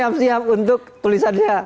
siap siap untuk tulisannya